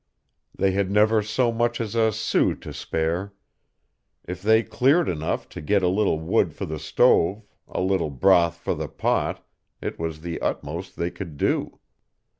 They had never so much as a sou to spare: if they cleared enough to get a little wood for the stove, a little broth for the pot, it was the utmost they could do.